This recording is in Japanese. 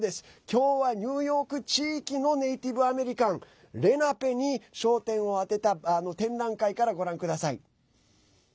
きょうはニューヨーク地域のネイティブアメリカンレナペに焦点を当てた展覧会からご覧ください。